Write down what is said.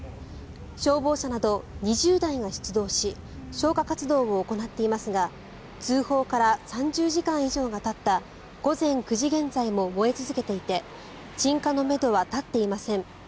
消防車など２０台が出動し消火活動を行っていますが通報から３０時間以上がたった午前９時現在も燃え続けていて鎮火のめどは立っていません。